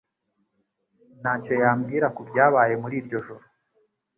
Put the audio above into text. ntacyo yambwira kubyabaye muri iryo joro